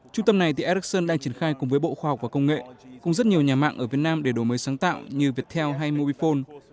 trung tâm này thì ericsson đang triển khai cùng với bộ khoa học và công nghệ cùng rất nhiều nhà mạng ở việt nam để đổi mới sáng tạo như viettel hay mobifone